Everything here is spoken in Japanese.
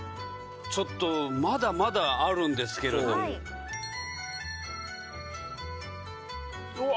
ちょっとまだまだあるんですけれどもうわ